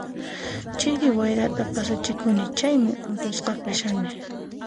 Chiri wayrata pasachikuni, chaymi unqusqa kashani.